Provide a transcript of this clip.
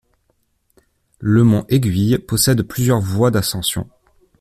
Le mont Aiguille possède plusieurs voies d'ascension.